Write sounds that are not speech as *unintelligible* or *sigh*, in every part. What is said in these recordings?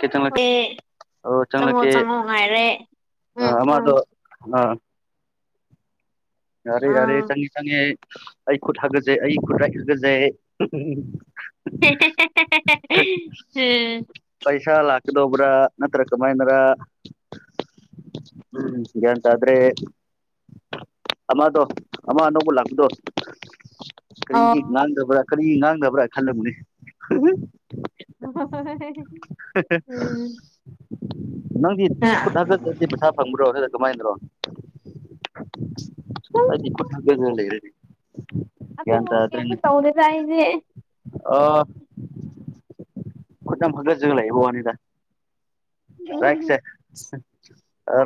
ꯀꯦ ꯆꯪꯂꯛꯀꯦ ꯑꯦ ꯑꯣ ꯆꯪꯉꯣ ꯆꯪꯂꯛꯀꯦ ꯆꯪꯉꯣ ꯉꯥꯏꯔꯦ ꯑ ꯎꯝ ꯑꯃꯗꯣ ꯎꯝ ꯑ ꯌꯥꯔꯦ ꯌꯥꯔꯦ ꯑ ꯆꯉꯦ ꯆꯉꯦ ꯑꯩ ꯈꯨꯠ ꯍꯥꯒꯖꯦ ꯑꯩ ꯈꯨꯠ꯭ꯔꯥꯏꯈꯒꯖꯦ ꯀ ꯎꯝ *unintelligible* ꯄꯩꯁꯥ ꯂꯥꯛꯀꯗꯧꯕ꯭ꯔꯥ ꯅꯠꯇ꯭ꯔ ꯀꯃꯥꯏꯅ꯭ꯔ ꯎꯝ ꯒꯥꯏꯟ ꯇꯗ꯭ꯔꯦ ꯑꯃꯗꯣ ꯑꯃ ꯑꯅꯧꯕ ꯂꯥꯛꯄꯗꯣ ꯀꯔꯤꯒꯤ ꯑꯣ ꯉꯥꯡꯗꯕ꯭ꯔꯥ ꯀꯔꯤ ꯉꯥꯡꯗꯕ꯭ꯔꯥ ꯈꯜꯂꯝꯅꯦ *unintelligible* ꯎꯝ ꯅꯪꯗꯤ ꯈꯨꯠ ꯍꯥꯒꯥꯖꯗꯤ ꯄꯩꯁꯥ ꯐꯪꯕ꯭ꯔꯣ ꯅꯠꯔꯥ ꯀꯃꯥꯏꯅ꯭ꯔꯣ ꯑꯩꯗ ꯈꯨꯠ ꯍꯥꯒꯥꯖꯔꯥ ꯂꯩꯔꯅꯤ ꯑꯁꯨꯝꯕꯒꯥ ꯀꯦꯏꯝꯇ ꯇꯦꯗꯦꯗꯥ ꯑꯩꯗ ꯑꯥ ꯈꯨꯗꯝꯝ ꯌꯥꯝ ꯍꯥꯒꯥꯖꯔ ꯂꯩꯕ ꯋ꯭ꯅꯤꯗ ꯔꯤꯒꯠꯁꯦ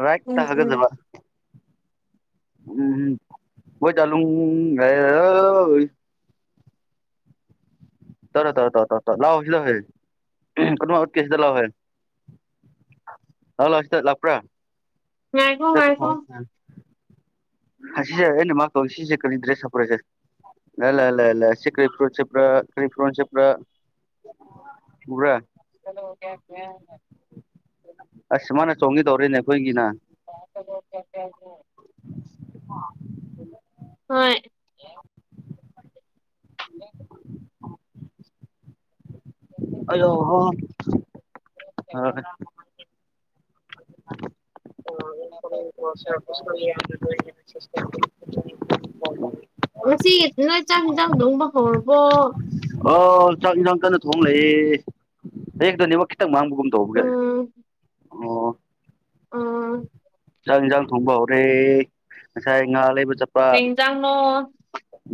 ꯔꯤꯒꯠ ꯇ ꯎꯝ ꯎꯝ ꯍꯥꯒꯖꯥꯕ ꯎꯝꯝ ꯃꯧ ꯗꯥꯂꯨꯪ *unintelligible* ꯇꯔꯣ ꯇꯧꯔꯣ ꯇꯔ ꯇꯔꯣ ꯇ ꯂꯥꯎꯑꯣ ꯁꯤꯗ ꯍꯦ ꯀ ꯎꯠꯀꯦ ꯁꯤꯗ ꯂꯥꯎꯑꯣꯋꯦ ꯂꯥꯎ ꯂꯥꯎ꯭ꯨ ꯁꯤꯗꯥ ꯂꯄ꯭ꯔꯥ ꯉꯏꯈꯣ ꯉꯥꯏꯈꯣ ꯍ ꯁꯤꯁꯦꯅꯦ ꯃꯥ ꯀꯧ ꯁꯤꯁꯦ ꯀꯏ ꯗ꯭ꯔꯦꯁ ꯍꯥꯄꯔꯦꯁꯦ ꯂꯥ ꯂ ꯂ ꯀꯥꯛ ꯁꯤ ꯀꯔꯦ ꯐꯤꯁꯦꯠꯄꯔꯥ ꯀꯔꯤ ꯐꯤꯔꯣꯂ ꯁꯦꯠꯄꯔꯥ ꯎꯕꯔꯥ ꯆꯠꯣ ꯀꯦ *unintelligible* ꯑꯁ ꯃꯥꯅ ꯆꯣꯡꯈꯤ ꯇꯧꯔꯤꯅꯦ ꯑꯩꯈꯣꯏꯒꯤꯅ *unintelligible* *inaudible* ꯍꯣꯏ *inaudible* *inaudible* ꯑꯣ ꯍ *unintelligible* *unintelligible* ꯉꯁꯤꯒꯤ ꯅꯣꯏ ꯆꯥꯛ ꯌꯦꯟꯖꯥꯡ ꯊꯣꯡꯕ ꯍꯧꯔꯕꯣ ꯑꯣ ꯆꯥꯛ ꯏꯟꯁꯥꯡ ꯀꯟꯅ ꯊꯣꯡꯉ ꯂꯩꯑꯦ *unintelligible* ꯒꯤꯗꯣ ꯅꯦꯠꯋꯥꯛ ꯈꯤꯇꯪ ꯃꯥꯡꯕꯒꯨꯝ ꯇꯧꯒꯦ ꯎꯝ ꯑꯣ ꯑꯝ ꯆꯥꯛ ꯌꯦꯟꯁꯥꯡ ꯊꯣꯡꯕ ꯍꯧꯔꯦ ꯉꯁꯥꯏ ꯉꯥ ꯂꯩꯕ ꯆꯠꯄ ꯀꯩ ꯌꯦꯟꯁꯥꯡꯅꯣ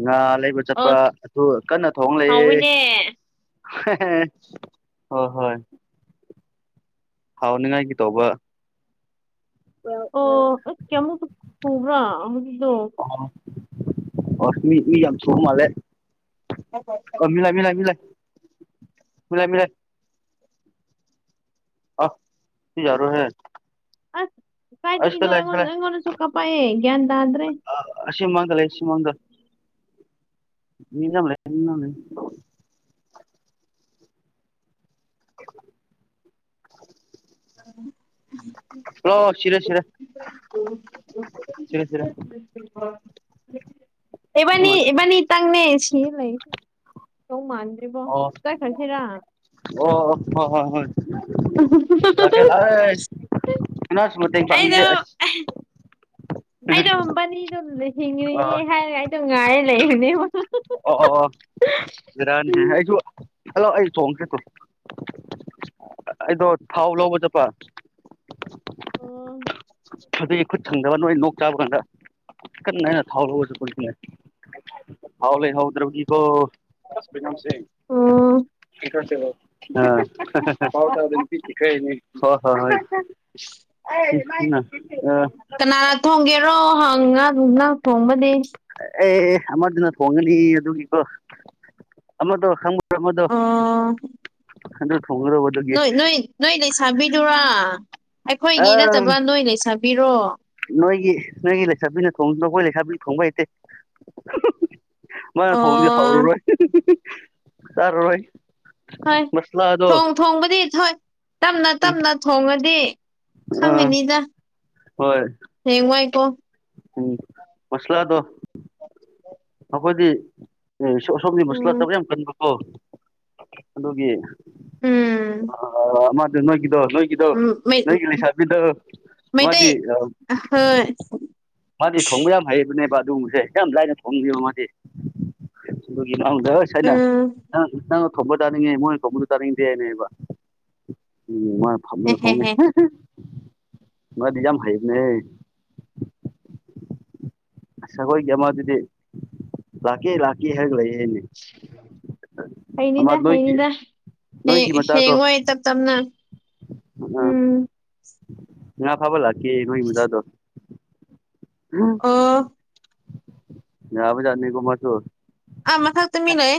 ꯉꯥ ꯂꯩꯕ ꯆꯠꯄ ꯑꯗꯨ ꯀꯟꯅ ꯊꯣꯡ ꯂꯩꯑꯦ ꯍꯥꯎꯋꯤꯅꯦ ꯍꯣꯏ ꯍꯣꯏ ꯍꯥꯎꯅꯤꯡꯉꯥꯏꯒꯤ ꯇꯧꯕ ꯑꯣ ꯑꯝ ꯀꯌꯥꯃꯨꯛ ꯄꯨꯕ꯭ꯔꯥ ꯃꯥꯔꯨꯝꯗꯣ ꯑꯁ ꯃꯤ ꯃꯤ ꯌꯥꯝ ꯁꯨ ꯃꯥꯂꯦ ꯍ ꯍ *unintelligible* ꯑ ꯃꯤꯂꯥꯢ ꯃꯤꯂꯥꯢ ꯃꯤꯂꯥꯢ ꯃꯤꯂꯥꯢ ꯃꯤꯂꯥꯢ ꯑꯁ ꯁꯤ ꯌꯥꯔꯣꯢ ꯍꯦ ꯑꯁ ꯀꯥꯏꯗꯒꯤꯅꯣ ꯁꯤꯗ ꯑꯩꯉꯣꯟ ꯂꯩ ꯑꯩꯉꯣꯟꯗꯁꯨ ꯀꯥꯥꯞꯄꯥꯛꯌꯦ ꯒ꯭ꯌꯥꯟ ꯇꯥꯗ꯭ꯔꯦ ꯑꯥ ꯁꯤꯃꯥꯡꯗ ꯂꯩ ꯁꯤꯃꯥꯡꯗ ꯃꯤ ꯃꯌꯥꯝ ꯂꯩ ꯃꯤ ꯃꯌꯥꯝ *inaudible* ꯎꯝ ꯑꯣ ꯁꯤꯔꯦ ꯁꯤꯔꯦ *inaudible* ꯁꯤꯔꯦ ꯁꯤꯔꯦ ꯑꯦꯕꯥꯅꯤ ꯏꯕꯥꯅꯤ ꯇꯪꯅꯦ ꯁꯤꯦ ꯂꯩ *unintelligible* ꯃꯥꯟꯗ ꯑꯣ ꯑꯣ ꯑꯣ ꯍꯣꯢ ꯍꯣꯢ *unintelligible* ꯀꯅꯥꯁꯨ ꯃꯇꯦꯡ ꯄꯥꯡꯅꯤꯡꯗꯦ ꯑꯁ ꯑꯩꯩꯗꯣ ꯃꯕꯥꯅꯤꯗꯣ ꯍꯤꯡꯉꯤꯌꯦ ꯑꯣ ꯍꯥꯏꯔꯒ ꯑꯩꯗꯣ ꯉꯥꯏꯔ ꯂꯩꯕꯅꯦꯕ ꯑꯣ ꯑꯣ ꯕꯦꯔꯥꯅꯤ ꯑꯩꯁꯨ ꯍꯜꯂꯣ ꯑꯩ *unintelligible* ꯑꯩꯗꯣ ꯊꯥꯎ ꯂꯧꯕ ꯆꯠꯄ ꯊꯪꯗꯕ ꯅꯣꯏ ꯅꯣꯛ ꯆꯥꯕ ꯀꯥꯟꯗ ꯀꯟꯅ ꯑꯩꯅ ꯊꯥꯎ ꯂꯧꯕ ꯆꯠꯄ ꯊꯥꯎ ꯂꯩꯍꯧ ꯗ꯭ꯔꯕꯒꯤꯀꯣ *unintelligible* ꯑꯣ *unintelligible* ꯍꯣꯏ ꯍꯣꯏ *unintelligible* ꯑꯥ ꯀꯅꯥꯅ ꯊꯣꯡꯒꯦꯔꯣ ꯍꯪ ꯉꯥ ꯅꯪ ꯊꯣꯡꯕꯗꯤ ꯑꯦ ꯑꯃꯗꯨꯅ ꯊꯣꯡꯉꯅꯤ ꯑꯗꯨꯒꯤꯀꯣ ꯑꯃꯗꯣ ꯈꯪꯕ꯭ꯔꯣ ꯑꯃꯗꯣ ꯑꯣ ꯑꯗꯨ ꯊꯣꯡꯒꯗꯕ ꯅꯣꯏ ꯅꯣꯏ ꯅꯣꯏ ꯂꯩꯁꯥꯕꯤꯗꯨꯔꯥ ꯑ ꯑꯩꯈꯣꯏꯒꯤ ꯅꯠꯇꯕ ꯅꯣꯏ ꯂꯩꯁꯥꯕꯤꯗꯣ ꯅꯣꯏꯒꯤ ꯅꯣꯏꯒꯤ ꯂꯩꯁꯥꯕꯤꯅ ꯊꯣꯡꯁꯨꯅꯣ ꯑꯩꯈꯣꯢ ꯂꯩꯁꯥꯕꯤ ꯊꯣꯡꯕ ꯍꯩꯇꯦ ꯃꯥ ꯊꯣꯡꯕꯗꯤ ꯑꯣ ꯍꯥꯎꯔꯔꯣꯏ ꯆꯥꯔꯔꯣꯢ ꯍꯣꯏ ꯊꯣꯡ ꯊꯣꯡꯕꯗꯤ ꯊꯣꯏ ꯇꯞꯅ ꯎꯝ ꯇꯞꯅ ꯊꯣꯡꯂꯗꯤ ꯑꯥ ꯈꯪꯉꯅꯤꯗ ꯍꯣꯏ ꯎꯝ ꯃꯥꯁꯂꯗꯣ *inaudible* ꯑꯩꯈꯣꯏꯗꯤ ꯑꯁꯣꯝꯒꯤ ꯃꯨꯁꯂ ꯎꯝ ꯆꯕꯥ ꯌꯥꯝ ꯀꯟꯕꯀꯣ ꯑꯗꯨꯒꯤ ꯎꯝ ꯑꯥ ꯃꯥꯗꯣ ꯅꯣꯏꯒꯤꯗꯣ ꯏꯗꯣ ꯎꯝ ꯃꯩ ꯅꯣꯏꯒꯤ ꯂꯩꯁꯕꯤꯗꯣ ꯃꯩꯇꯩ ꯃꯥꯗꯤ ꯑꯥ ꯍꯣꯏ ꯃꯥꯗꯤ ꯊꯣꯡꯕ ꯌꯥꯝ ꯍꯩꯕꯅꯦꯕ ꯑꯗꯨꯒꯨꯝꯕꯁꯦ ꯌꯥꯝ ꯂꯥꯏꯅ ꯊꯣꯡꯒꯤꯕ ꯃꯥꯗꯤ ꯎꯝ *unintelligible* ꯊꯣꯝꯕ ꯆꯥꯅꯤꯡꯉꯦ ꯃꯣꯏ ꯊꯣꯝꯕꯁꯨ ꯆꯥꯅꯤꯡꯗꯦꯅꯦꯕ ꯎꯝ ꯃꯣꯏ ꯐꯝꯂꯒꯥ ꯊꯣꯡꯉꯦ ꯍꯦꯍꯦꯍꯦ ꯃꯥꯗꯤ ꯌꯥꯝ ꯍꯩꯕꯅꯦꯍꯦ ꯁꯒꯣꯏꯒꯤ ꯑꯗꯨꯗꯤ ꯂꯥꯛꯀꯦ ꯂꯥꯛꯀꯦ ꯍꯥꯏꯔꯒꯥ ꯂꯩꯔꯦꯅꯦ *unintelligible* ꯍꯩꯅꯤꯗ ꯅꯣꯏꯒꯤ ꯍꯩꯅꯤꯗ ꯍꯦ ꯅꯣꯏꯒꯤ ꯃꯆꯥꯗꯣ ꯍꯌꯦꯡꯋꯥꯏ ꯇꯞ ꯇꯞꯅ ꯎꯝ *unintelligible* ꯉꯥ ꯐꯕ ꯂꯥꯀꯦ ꯅꯣꯏ ꯍꯨꯗꯗꯣ ꯑꯣ ꯍꯥ ꯌꯥꯕꯖꯥꯠꯅꯤ ꯀꯣ ꯃꯥꯁꯨ ꯑꯥ ꯃꯊꯛꯇꯥ ꯃꯤ ꯂꯩ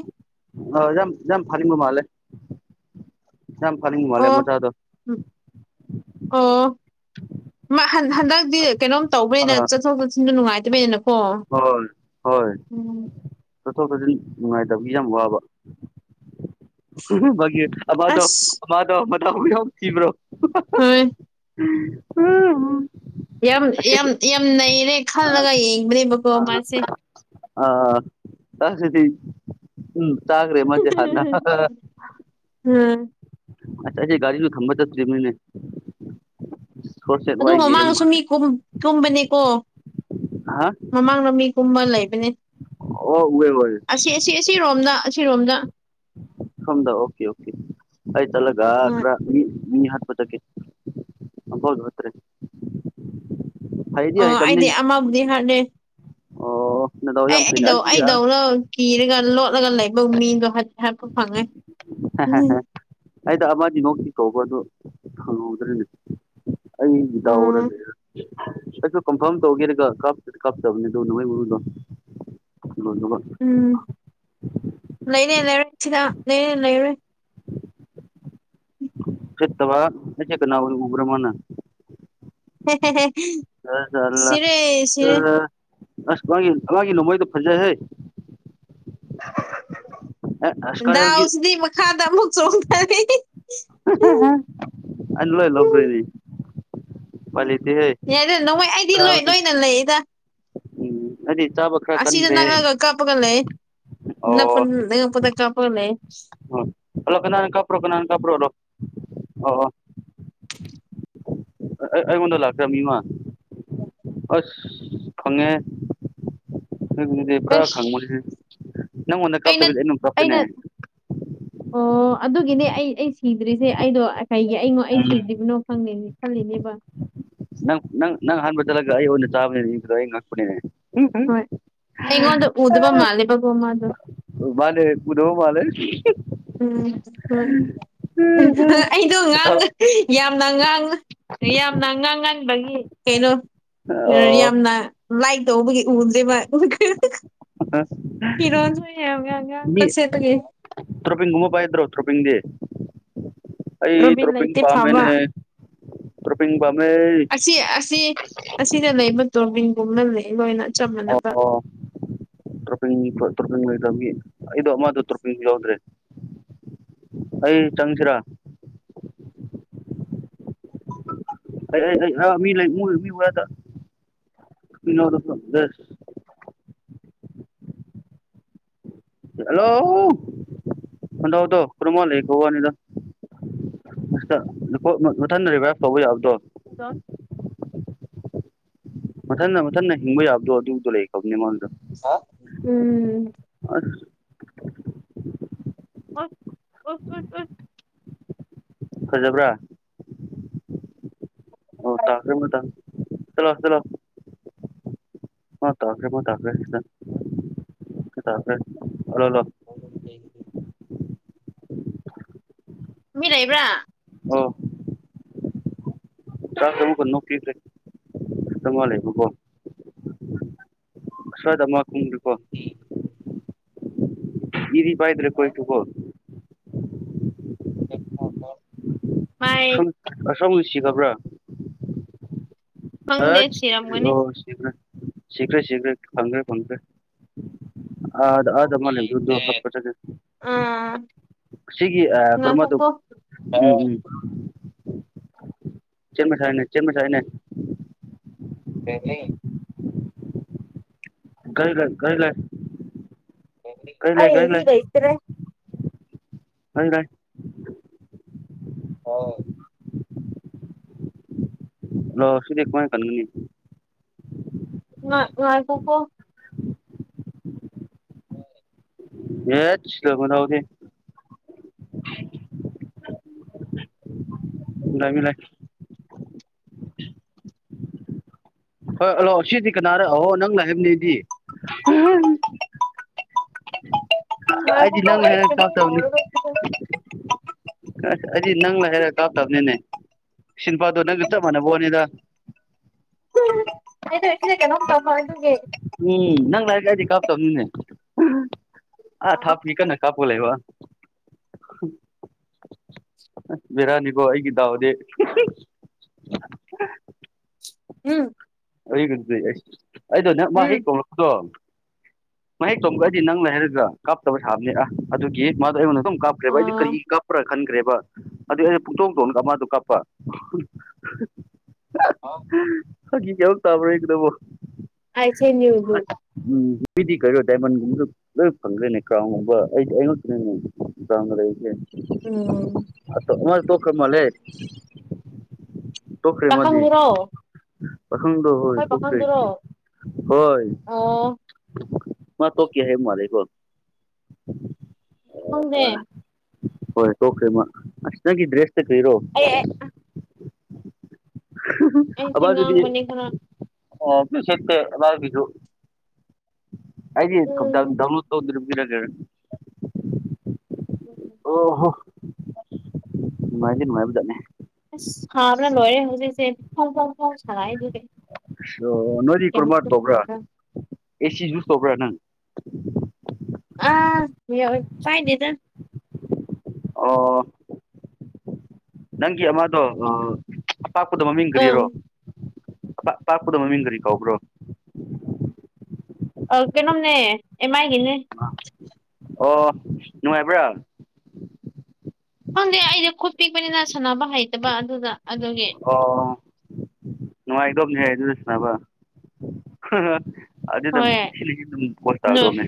ꯑꯥ ꯌꯥꯝ ꯌꯥꯝ ꯐꯥꯅꯤꯡꯕ ꯃꯥꯂꯦ ꯌꯥꯝ ꯐꯥꯅꯤꯡꯕ ꯃꯥꯜꯂꯦ ꯃꯆꯥꯥꯗꯣ ꯎꯝ ꯑꯣ ꯃꯥ ꯍꯟ ꯍꯟꯗꯛ ꯗꯤ ꯀꯩꯅꯣꯝ ꯇꯧꯕꯅꯤꯅ ꯑꯥ ꯆꯠꯊꯣꯛ ꯆꯠꯁꯤꯟꯁꯨ ꯅꯨꯡꯉꯥꯏꯇꯕꯅꯤꯅ ꯍꯣꯏ ꯍꯣꯏ ꯆꯠꯊꯣꯛ ꯆꯠꯁꯤꯟ ꯅꯨꯡꯉꯥꯏꯇꯕꯒꯤ ꯌꯥꯝ ꯋꯥꯕ ꯕꯥꯒꯤ ꯑꯃꯗꯣ ꯑꯁ ꯑꯃꯗꯣ ꯃꯊꯥꯕꯨ ꯌꯥꯎ ꯊꯤꯕ꯭ꯔꯣ ꯍꯣꯏ *unintelligible* ꯌꯥꯝ ꯑꯁꯤ ꯌꯥꯝ ꯌꯥꯝ ꯅꯩꯔꯦ ꯈꯜꯂꯒ ꯌꯦꯡꯕꯅꯦꯕꯀꯣ ꯃꯥꯁꯦ ꯑꯥ ꯅꯁꯤꯗꯤ ꯎꯝ ꯆꯥꯒ꯭ꯔꯦ ꯃꯗꯤ ꯍꯥꯟꯅ *unintelligible* ꯑꯠꯆ ꯑꯩꯗꯤ ꯒꯥꯔꯤꯖꯨ ꯊꯝꯕ ꯆꯠꯇ꯭ꯔꯤꯃꯤꯅꯦ ꯑꯗꯨ ꯃꯃꯥꯡꯗꯁꯨ ꯃꯤ ꯀꯨꯝ ꯀꯨꯝꯕꯅꯦꯀꯣ ꯍꯥ ꯃꯃꯥꯡꯗ ꯃꯤꯀꯝꯃꯥ ꯂꯩꯕꯅꯦ ꯑꯣ ꯎꯋꯦ ꯑꯣꯏ ꯑꯁꯤ ꯑꯁꯤ ꯑꯁꯤꯔꯣꯝꯗꯥ ꯑꯁꯤꯔꯣꯝꯗꯥ ꯁꯣꯝꯗꯥ ꯑꯣꯀꯦ ꯑꯣꯀꯦ ꯑꯩ ꯆꯠꯂꯒꯥ ꯎꯝ ꯈ꯭ꯔꯥ ꯃꯤ ꯃꯤ ꯍꯥꯠꯄ ꯆꯠꯀꯦ *unintelligible* ꯍꯥꯏꯗꯤ ꯑꯣ ꯍꯩꯇꯝꯅꯤ ꯑꯩꯗꯤ ꯑꯃꯕꯨꯗꯤ ꯍꯥꯠꯂꯦ ꯑꯣ ꯅꯗꯥꯎ ꯑꯩ ꯌꯥꯝ ꯐꯩꯅꯦ ꯑꯩꯗꯧ ꯑꯩꯒꯤꯗꯤ ꯑꯩꯗꯧꯅ ꯀꯤꯔꯒꯥ ꯂꯣꯠꯂꯒꯥ ꯂꯩꯕ ꯃꯤꯗꯣ ꯍꯥꯠ ꯍꯥꯠꯄ ꯐꯪꯉꯦ ꯎꯝ ꯑꯩꯗꯣ ꯑꯃꯗꯤ ꯅꯣꯛꯇꯤ ꯀꯧꯕ ꯑꯗꯨ ꯐꯪꯍꯧꯗ꯭ꯔꯦꯅꯦ ꯑꯩ ꯑꯣ ꯗꯧꯔꯥꯒꯦ *inaudible* ꯑꯩꯁꯨ ꯀꯟꯐꯥꯝ ꯇꯧꯒꯦꯔꯥꯒ ꯀꯥꯞ ꯀꯥꯞꯇꯕꯅꯦ ꯑꯗꯨ ꯅꯣꯡꯃꯩ ꯃꯔꯨꯗꯣ *unintelligible* ꯎꯝ ꯂꯩꯔꯦ ꯂꯩꯔꯦ ꯁꯤꯗꯥ ꯂꯩꯔꯦ ꯂꯩꯔꯦ ꯁꯤꯠꯇꯥꯕ ꯑꯩꯁꯦ ꯀꯅꯥ ꯑꯣꯏ ꯎꯕ꯭ꯔꯥ ꯃꯥꯅ *unintelligible* ꯁꯤꯔꯦ ꯁꯤꯔꯦ *unintelligible* ꯑꯁ ꯃꯥꯒꯤ ꯃꯥꯒꯤ ꯅꯣꯡꯃꯩꯗꯨ ꯐꯖꯩꯍꯦ ꯑꯁ ꯀꯔꯦꯜꯒꯤ ꯗꯥꯎꯁꯤꯗꯤ ꯃꯈꯥꯗ ꯑꯃꯨꯛ ꯆꯣꯡꯗꯥꯔꯦꯍꯦ ꯑꯩꯅ ꯂꯣꯏ ꯂꯧꯒ꯭ꯔꯥꯅꯤ ꯎꯝ ꯌꯥꯏꯗ ꯅꯣꯡꯃꯩ ꯑꯩꯗꯤ ꯂꯣꯏ ꯂꯣꯏꯅ ꯂꯩꯗ ꯎꯝ ꯑꯩꯗꯤ ꯆꯥꯕꯛ ꯑꯁꯤꯗꯥ ꯅꯪꯉꯑꯒꯥ ꯀꯥꯞꯄꯒꯥ ꯂꯩ ꯅꯛꯄꯟ ꯑꯅꯛꯄꯗꯥ ꯀꯥꯞꯄꯒꯥ ꯂꯩ ꯑꯣ ꯍꯜꯂꯣ ꯀꯅꯥꯅ ꯀꯄ꯭ꯔꯣ ꯀꯅꯥꯅ ꯀꯄ꯭ꯔꯣ ꯔꯣ ꯑꯣ ꯑꯥ ꯑꯥ ꯑꯩꯉꯣꯟꯗꯥ ꯂꯥꯛꯈ꯭ꯔꯦ ꯃꯤ ꯑꯃ ꯑꯁ ꯈꯪꯉꯦ ꯅꯪꯖꯤꯗꯤ ꯄꯨꯔꯥ ꯑꯁ ꯈꯪꯕꯅꯦꯍꯦ ꯑꯩꯅ ꯑꯩꯅ ꯑꯣ ꯑꯗꯨꯒꯤꯅꯦ ꯑꯩ ꯑꯩ ꯁꯤꯗ꯭ꯔꯤꯁꯦ ꯑꯩꯗꯣ ꯀꯩꯒꯤ ꯑꯩꯉꯣ ꯑꯩ ꯁꯤꯗ꯭ꯔꯤꯕꯅꯣ ꯈꯪꯗꯦ ꯈꯜꯂꯤꯅꯦꯕ ꯅꯪ ꯅꯪ ꯅꯪ ꯍꯥꯟꯕ ꯆꯠꯂꯒ ꯑꯩ ꯑꯣꯏꯅꯥ ꯆꯥꯕ ꯅꯨꯃꯤꯠꯇꯣ ꯑꯩ ꯉꯛꯄꯅꯦ ꯍꯣꯏ ꯑꯩꯉꯣꯟꯗ ꯎꯗꯕ ꯃꯥꯂꯤꯕꯒꯨꯝ ꯃꯗꯣ ꯃꯥꯅꯦ ꯎꯗꯕꯥ ꯃꯥꯜꯂꯦ ꯎꯝ ꯎꯝ ꯑꯩꯗꯣ ꯉꯥꯡ ꯌꯥꯝꯅꯥ ꯉꯥꯡ ꯌꯥꯝꯅ ꯉꯥꯡꯍꯟꯕꯒꯤ ꯀꯩꯅꯣ *inaudible* ꯌꯥꯝꯅ ꯂꯥꯏꯛ ꯇꯧꯕꯒꯤ ꯎꯗꯦꯕ ꯐꯤꯔꯣꯟ ꯁꯨ ꯌꯥꯝꯅꯥ ꯉꯥꯡꯕ ꯁꯦꯠꯄꯒꯤ ꯇ꯭ꯔꯣꯄꯤꯟ ꯒꯨꯝꯕ ꯄꯥꯏꯗ꯭ꯔꯣ ꯇ꯭ꯔꯣꯄꯤꯟꯗꯤ ꯑꯩ ꯇꯣꯔꯕꯤꯟ ꯇ꯭ꯔꯣꯄꯤꯟ ꯂꯩꯇꯦ ꯐꯕ ꯄꯥꯝꯃꯦꯅꯦ ꯇ꯭ꯔꯣꯄꯤꯟ ꯄꯥꯝꯃꯦ ꯑꯁꯤ ꯑꯁꯤ ꯑꯁꯤꯗ ꯂꯩꯕ ꯇꯣꯔꯕꯤꯟꯒꯨꯝꯅ ꯂꯩ ꯂꯣꯏꯅ ꯆꯞ ꯃꯥꯟꯅꯕ ꯑꯣ ꯇ꯭ꯔꯣꯄꯤꯟ *unintelligible* ꯇ꯭ꯔꯣꯄꯤꯟ ꯂꯩꯗꯕ ꯃꯤ ꯑꯩꯗꯣ ꯃꯥꯗꯣ ꯇ꯭ꯔꯣꯄꯤꯟ ꯌꯥꯎꯗ꯭ꯔꯦ ꯑꯩ ꯆꯪꯁꯤꯔꯥ *inaudible* ꯑꯩ ꯑꯩ ꯑꯩ ꯑꯥ ꯃꯤ ꯂꯩ ꯃꯨꯔ ꯃꯤꯗ *unintelligible* ꯍꯜꯂꯣ ꯍꯂꯣꯗꯣ ꯈꯨꯝꯃꯒꯥ ꯂꯩ ꯋꯥꯅꯤꯗ ꯃꯊꯟ ꯔꯤꯚꯥꯏꯞ ꯇꯧꯕ ꯌꯥꯕꯗꯣ ꯑꯗꯣ *unintelligible* ꯃꯊꯟ ꯃꯊꯟ ꯍꯤꯡꯕ ꯌꯥꯕꯗꯣ ꯑꯗꯨꯗꯣ ꯂꯩꯈ꯭ꯔꯕꯅꯦ ꯃꯉꯣꯟꯗ ꯎꯝ ꯑꯁ ꯑꯣꯏꯠ ꯑꯣꯏꯠ ꯑꯣꯢꯠ ꯑꯣꯏꯠ ꯐꯖꯕ꯭ꯔꯥ ꯎꯝ ꯇꯥꯈꯔꯦ ꯃꯥꯇꯝ ꯆꯠꯂꯣ ꯆꯠꯂꯣ ꯍ ꯇꯥꯈ꯭ꯔꯦ ꯄꯨꯡ ꯇꯥꯈꯔꯦ ꯅꯪ ꯁꯤꯗ ꯇꯥꯈꯔꯦ ꯍꯜꯂꯣꯂꯣ ꯑ *unintelligible* ꯃꯤ ꯂꯩꯕꯔꯥ ꯑ ꯆꯥꯇꯔꯨꯛ ꯀꯨꯟꯃꯨꯛ ꯄꯤꯈ꯭ꯔꯦ ꯈꯤꯛꯇꯪ ꯋꯥꯠꯂꯦꯕꯥꯀꯣ ꯁꯋꯥꯗ ꯃ *unintelligible* ꯀꯣ *unintelligible* ꯗꯤ ꯄꯥꯏꯗ꯭ꯔꯦ ꯈꯣꯏꯁꯨ ꯀꯣ *unintelligible* ꯃꯥꯏ ꯈꯪ ꯃꯁꯛ ꯅꯨꯡꯁꯤꯗꯕꯥꯔ ꯈꯪꯗꯦ ꯍꯁ ꯁꯤ꯭ꯔꯦ ꯁꯤꯔꯝꯒꯅꯤ ꯑꯣ ꯁꯤꯈ꯭ꯔꯦ ꯁꯤꯈ꯭ꯔꯦ ꯁꯤꯈ꯭ꯔꯦ ꯐꯪꯈ꯭ꯔꯦ ꯐꯪꯈ꯭ꯔꯦ ꯑꯗ ꯑꯗ ꯑꯃꯥ ꯂꯩꯕꯥ ꯑꯗꯨꯗꯨ ꯍꯥꯠꯄꯥ ꯆꯠꯂꯤ ꯑꯥ ꯁꯤꯒꯤ ꯑ ꯀꯔꯤ ꯃꯗꯨ ꯉꯥꯏꯈꯣꯀꯣ ꯎꯝ ꯎꯝ ꯆꯦꯟꯕꯁꯥꯏꯅꯦ ꯆꯦꯟꯕꯁꯥꯏꯅꯦ *unintelligible* ꯀꯥꯏ ꯂꯩ ꯀꯥꯏ ꯂꯩ ꯒꯥꯔꯤ ꯂꯩ ꯑꯩ ꯒꯥꯔꯤ ꯃꯤ ꯂꯩꯇꯔꯦ ꯈꯪꯗꯦ ꯍꯥꯎ ꯍꯜꯂꯦ ꯁꯤꯗꯤ ꯑꯩꯈꯣꯏꯅ ꯀꯟꯒꯅꯤ ꯉꯥꯏ ꯉꯥꯏ ꯈꯣꯀꯣ ꯍꯣꯏ *unintelligible* *unintelligible* ꯍꯣꯏ ꯍꯜꯂꯣ ꯁꯤꯗꯤ ꯀꯅꯥꯔꯅꯣ ꯍꯣ ꯅꯪ ꯍꯥꯏꯕꯅꯦꯗꯤ ꯑꯩꯗꯤ ꯉꯥꯏꯈꯣꯀꯣ ꯅꯪꯅ ꯑꯩ ꯍꯥꯏꯔ ꯆꯥ ꯀꯩꯅꯣꯝ ꯇꯥꯕꯅꯤ ꯇꯧꯔꯒ ꯑꯁ ꯑꯩꯗꯤ ꯅꯪꯅ ꯍꯥꯏꯔꯒ ꯀꯥꯞꯇꯕꯅꯤꯅꯦ ꯑꯁꯤ ꯅꯨꯄꯥꯗꯣ ꯅꯪꯒ ꯆꯞ ꯃꯥꯟꯅꯕꯣꯅꯤꯗ ꯑꯩꯗꯣ ꯑꯁꯤꯗ ꯀꯩꯅꯣꯝ ꯇꯧꯕ ꯑꯗꯨꯒꯤ ꯎꯝ ꯅꯪ ꯂꯥꯏꯔꯗꯤ ꯀꯥꯞꯇꯕꯅꯤꯅꯦ ꯑꯥ ꯊꯥꯞꯅꯤ ꯀꯟꯅ ꯀꯥꯞ ꯀꯩꯕꯥ ꯚꯦꯔꯥꯅꯤꯀꯣ ꯑꯩꯒꯤ ꯗꯥꯎꯗꯤ ꯎꯝ ꯑꯩ ꯑꯗꯨꯗꯤ ꯑꯩ ꯑꯩꯗꯣ ꯅꯪ ꯃꯥ ꯍꯦꯛ ꯎꯝ ꯀꯧꯂꯛꯄꯗꯣ ꯃꯥ ꯍꯦꯛ ꯇꯣꯡꯕꯒ ꯑꯩꯗꯤ ꯅꯪ ꯂꯩ ꯍꯥꯏꯔꯒ ꯀꯥꯞꯇꯕ ꯁꯥꯕꯅꯦ ꯑ ꯑꯗꯨꯒꯤ ꯃꯥꯗꯣ ꯑꯩꯉꯣꯟꯗ ꯗꯨꯝ ꯀꯥꯞꯈ꯭ꯔꯦꯕ ꯑꯩꯗꯤ ꯑꯥ ꯀꯔꯤꯒꯤ ꯀꯥꯞꯄ꯭ꯔꯥ ꯈꯟꯈ꯭ꯔꯦꯕ ꯑꯗꯨꯩ ꯑꯩ ꯄꯨꯇꯧ ꯇꯧꯒ ꯃꯥꯗꯣ ꯀꯥꯞꯄ ꯑꯣ ꯀꯦꯝ ꯇꯧꯔꯔꯣꯏꯗꯨꯕꯨ *unintelligible* ꯎꯝ ꯗꯤ ꯀꯔ ꯗꯥꯏꯃꯣꯟꯒꯨꯝꯕꯗꯣ ꯂꯣꯏ ꯐꯪꯒ꯭ꯔꯦꯅꯦ ꯀꯥꯟꯎꯗꯣ ꯑꯩ ꯑꯩꯗꯤ ꯑꯩꯉꯣꯟꯗꯅꯤꯅꯦꯗ ꯀꯥꯎꯟꯗ ꯂꯩꯁꯦ ꯎꯝ ꯑꯗꯣ ꯃꯥ ꯇꯣꯛꯈ꯭ꯔ ꯃꯥꯜꯂꯦ ꯇꯣꯛꯈ꯭ꯔꯦ ꯃꯥꯗꯤ ꯄꯥꯈꯪꯗꯨꯔꯣ *unintelligible* ꯑꯩꯈꯣꯏ ꯄꯥꯈꯪꯗꯨꯔꯣ ꯑꯣ ꯃꯥ ꯇꯣꯛꯀꯦ ꯍꯥꯏꯕ ꯃꯥꯜꯂꯦꯀꯣ ꯈꯪꯗꯦ ꯍꯣꯏ ꯇꯣꯛꯈ꯭ꯔꯦ ꯃꯥ ꯑꯁ ꯅꯪꯗꯤ ꯕ꯭ꯔꯦꯁ ꯆꯠꯇꯣꯏꯔꯣ ꯑꯩ ꯑꯩ ꯑ ꯑꯩꯁꯦ ꯑꯗꯨꯗꯤ ꯉꯥꯡꯕꯅꯦ ꯈꯔ ꯑꯣ ꯅꯁꯛꯀ ꯑꯗꯥꯏꯗꯨꯁꯨ ꯑꯩꯒꯤ ꯎꯝ ꯀꯣꯡꯇꯥꯡ ꯗꯥꯎꯟꯂꯣꯗ ꯇꯧꯗ꯭ꯔꯤꯕꯅꯤꯅꯅꯦ ꯑꯣ ꯍꯣ ꯅꯨꯡꯉꯥꯏꯗꯤ ꯅꯨꯡꯉꯥꯏꯕꯖꯥꯠꯅꯦ ꯑꯁ ꯁꯥꯕꯅ ꯂꯣꯏꯔꯦ ꯍꯧꯖꯤꯛꯁꯦ ꯐꯣꯡ ꯁꯥꯔꯛꯑꯦ ꯑꯗꯨꯒꯤ ꯑꯣ ꯅꯣꯏꯗꯤ ꯀꯔꯃꯥꯏ ꯀꯌꯥꯃꯨꯛꯁꯨ ꯇꯧꯕ꯭ꯔꯥ ꯁꯥꯕ꯭ꯔꯥ ꯑꯦꯁꯤ ꯌꯨꯁ ꯇꯧꯕ꯭ꯔꯥ ꯅꯪ ꯑꯥ *unintelligible* ꯑꯣ ꯅꯪꯒꯤ ꯑꯃꯗꯣ ꯑꯄꯥꯛꯄꯗꯣ ꯃꯃꯤꯡ ꯑꯥ ꯀ꯭ꯔꯤꯔꯣ ꯑꯄꯥꯛꯄꯗ ꯃꯃꯤꯡ ꯀꯔꯤ ꯀꯧꯕꯕ꯭ꯔꯣ ꯑ ꯀꯩꯅꯣꯝꯅꯦ ꯑꯦꯝꯃꯥꯏꯒꯤ ꯑꯣ ꯅꯨꯡꯉꯥꯏꯕ꯭ꯔꯥ ꯈꯪꯗꯦ ꯑꯩꯗꯤ ꯈꯨꯠ ꯄꯤꯛꯄꯅꯤꯅ ꯁꯥꯟꯅꯕ ꯍꯩꯇꯕ ꯑꯗꯨꯗ ꯑꯗꯨꯒꯤ ꯑꯣ ꯅꯨꯡꯉꯥꯏꯗꯧꯕꯅꯦꯍꯦ ꯑꯗꯨꯗꯣ ꯁꯥꯟꯅꯕ ꯑꯗꯨ ꯑꯗꯨꯝ ꯍꯣꯏ ꯁꯤꯜꯂꯤ ꯑꯗꯨꯝ ꯄꯣꯁ ꯅꯣ ꯇꯥꯗꯧꯅꯦ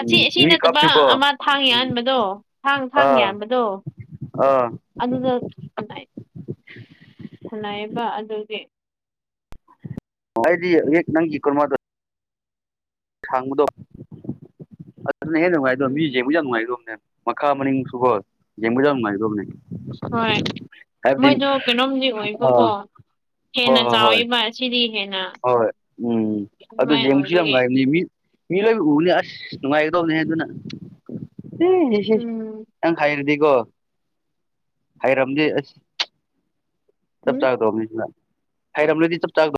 ꯑꯁꯤ ꯁꯤ ꯅꯠꯇꯕ ꯑꯃ ꯊꯥꯡꯅ ꯌꯥꯟꯕꯗꯣ ꯊꯥꯡ ꯊꯥꯡꯅ ꯑꯥ ꯌꯥꯟꯕꯗꯣ ꯑꯥ ꯑꯗꯨꯗꯠ *unintelligible* ꯈꯨꯟꯅꯥꯏꯌꯦꯕ ꯑꯗꯨꯗꯤ ꯑꯣ ꯑꯩꯗꯤ ꯌꯦꯛ ꯅꯪꯒꯤ ꯈꯣꯔꯃꯗꯣ ꯁꯥꯡꯕꯗꯣ ꯑꯗꯨꯅ ꯍꯦꯟꯅ ꯅꯨꯡꯉꯥꯏꯗꯣ ꯃꯤ ꯌꯦꯡꯕꯁꯨ ꯎꯝ ꯌꯥꯝ ꯅꯨꯡꯉꯥꯏꯗ꯭ꯔꯣꯝꯅꯦ ꯃꯈꯥ ꯃꯅꯤꯡꯁꯨꯀꯣ ꯌꯦꯡꯕ ꯌꯝ ꯅꯨꯡꯉꯣꯏ ꯒꯗꯧꯕꯅꯦ ꯍꯣꯏ ꯃꯣꯏꯗꯣ ꯀꯩꯅꯣꯝꯗꯤ ꯑꯣꯏꯕꯀꯣ ꯑꯥ ꯍꯣꯏ ꯍꯦꯟꯅ ꯍꯣꯏ ꯆꯥꯎꯋꯦ ꯍꯣꯏ ꯏꯕꯥꯏ ꯁꯤꯔꯤ ꯍꯦꯟꯅ ꯍꯣꯏ ꯎꯝ ꯑꯗꯣ ꯑꯗꯨꯃꯥꯏ ꯌꯦꯡꯕꯁꯨ ꯌꯥꯝ ꯑꯣꯏꯕꯒꯤ ꯅꯨꯡꯉꯥꯏꯕꯅꯤ ꯃꯤꯠ ꯃꯤ ꯂꯣꯏ ꯎꯒꯅꯤ ꯑꯁ ꯅꯨꯡꯉꯥꯏꯒꯗꯧꯅꯦ ꯍꯦ ꯑꯗꯨꯅ ꯎꯝ *unintelligible* ꯅꯪ ꯍꯥꯏꯔꯗꯤꯀꯣ ꯍꯥꯏꯔꯝꯗꯤ ꯑꯁ ꯆꯞ ꯎꯝ ꯆꯥꯒꯗꯧꯕꯅꯤ ꯁꯤꯅ ꯍꯥꯏꯔꯝꯂꯗꯤ ꯆꯞ ꯆꯥ